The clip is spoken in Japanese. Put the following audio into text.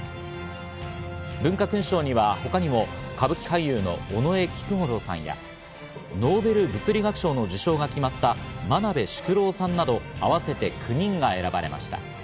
文化勲章には他にも歌舞伎俳優の尾上菊五郎さんやノーベル物理学賞の受賞が決まった真鍋淑郎さんなど、合わせて９人が選ばれました。